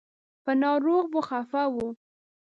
په ناروغ به خفه و.